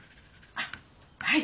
あっはい。